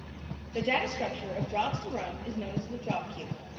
The data structure of jobs to run is known as the job queue.